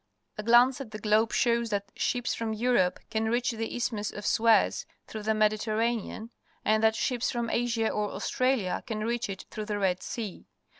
A glance at the globe shows that ships from Europe can reach the Isth nius of Suez through the Mediterranean, and that ships from Asia or Australia can reach it through the Red Sea.